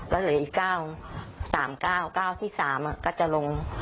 แล้วเหลืออีกก้าวสามก้าวก้าวที่สามก็จะลง